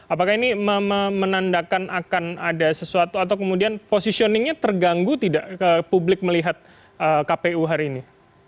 apakah ini menandakan akan ada sesuatu atau kemudian positioningnya terganggu tidak ke publik melihat kpu hari ini